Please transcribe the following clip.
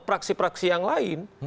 praksi praksi yang lain